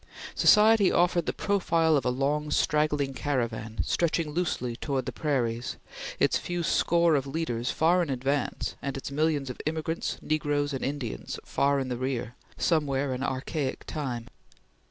Society offered the profile of a long, straggling caravan, stretching loosely towards the prairies, its few score of leaders far in advance and its millions of immigrants, negroes, and Indians far in the rear, somewhere in archaic time.